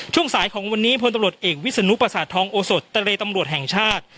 ช่วงสายของวันนี้พลตำรวจเอกวิศนุประสาททองโอสดเตรเลตำรวจแห่งชาติ